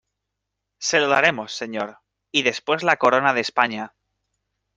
se lo daremos, señor... y después la corona de España .